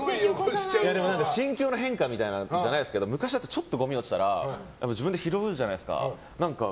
心境の変化みたいなのじゃないですけど昔はちょっとごみが落ちてたら拾うじゃないですか。